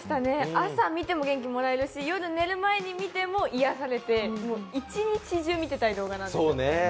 朝見ても元気もらえるし夜寝る前に見ても癒やされて一日中見てたい動画なんです。